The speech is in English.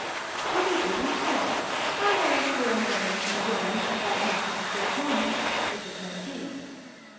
To be busy still, and as Guianerius enjoins, about matters of great moment, if it may be.